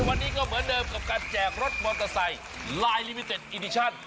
วันนี้ก็เหมือนเดิมกับการแจกรถมอเตอร์ไซค์ลายลิมิเต็ดอิดิชั่น